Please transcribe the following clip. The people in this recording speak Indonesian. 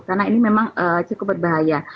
karena ini memang cukup berbahaya